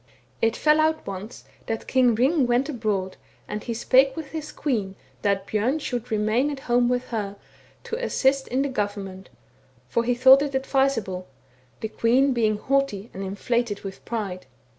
It fell out once that the King Hring went abroad, and he spake with his queen that Bjorn should remain at home with her, to assist in the government, for he thought it advisable, the queen being haughty and inflated with pride.